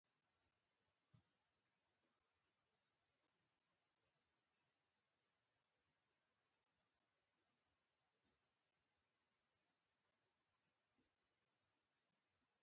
که څومره ګناه کړي وي خدای په فضل او کرم بښل کیدای شي.